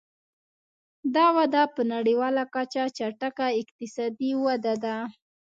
دا وده په نړیواله کچه چټکه اقتصادي وده ده.